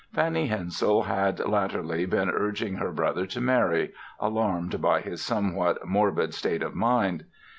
Fanny Hensel had latterly been urging her brother to marry, alarmed by his somewhat morbid state of mind.